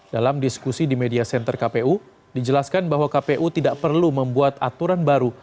dalam diskusi di media center kpu dijelaskan bahwa kpu tidak perlu membuat aturan baru